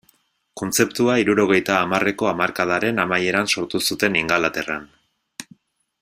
Kontzeptua hirurogeita hamarreko hamarkadaren amaieran sortu zuten Ingalaterran.